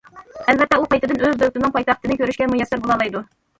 ئەلۋەتتە، ئۇ قايتىدىن ئۆز دۆلىتىنىڭ پايتەختىنى كۆرۈشكە مۇيەسسەر بولالايدۇ.